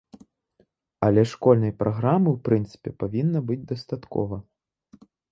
Але школьнай праграмы ў прынцыпе павінна быць дастаткова.